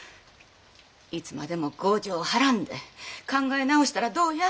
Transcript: いつまでも強情を張らんで考え直したらどうや。